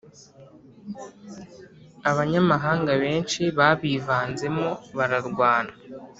abanyamahanga benshi babivanzemo bararwana